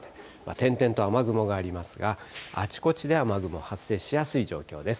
点々と雨雲がありますが、あちこちで雨雲、発生しやすい状況です。